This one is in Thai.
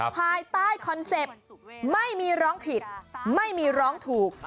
ภายใต้คอนเซ็ปต์ไม่มีร้องผิดไม่มีร้องถูก